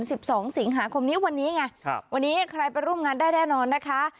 สิบสองสิงหาคมนี้วันนี้ไงครับวันนี้ใครไปร่วมงานได้แน่นอนนะคะ